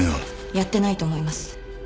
やってないと思います。